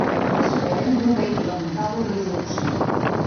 Israel no va implementar la resolució.